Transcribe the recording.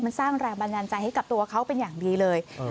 มันสร้างแรงบันดาลใจให้กับตัวเขาเป็นอย่างดีเลย